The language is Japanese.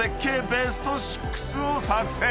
ベスト６を作成！］